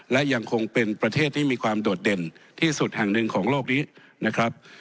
และยังคงเป็นประเทศที่มีความโดดเด่นที่สุดแห่งหนึ่งของโลกนี้นะครับ